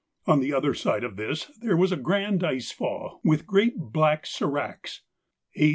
On the other side of this there was a grand ice fall with great black seracs. H.